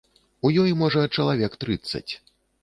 У ёй, можа, чалавек трыццаць.